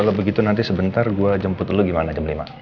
kalau begitu nanti sebentar gue jemput lu gimana jam lima